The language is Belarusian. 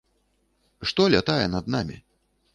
Што лятае над намі?